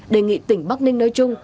đề nghị tỉnh bắc ninh nói chung